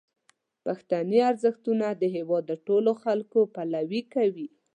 پښتني ارزښتونه د هیواد د ټولو خلکو پلوي کوي.